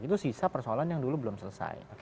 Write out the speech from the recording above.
itu sisa persoalan yang dulu belum selesai